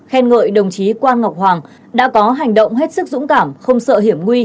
khen ngợi đồng chí quan ngọc hoàng đã có hành động hết sức dũng cảm không sợ hiểm nguy